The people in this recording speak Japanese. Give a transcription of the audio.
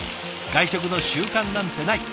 外食の習慣なんてない。